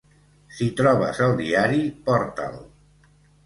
Si trobes el diari, porta'l.